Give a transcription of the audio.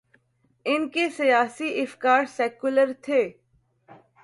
ان کے سیاسی افکار سیکولر تھے۔